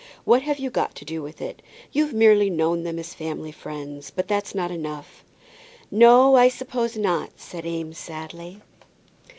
What have you got to do with it? You've merely known them as family friends, but that's not enough." "No, I suppose not," said Eames, sadly.